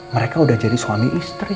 mereka udah jadi suami istri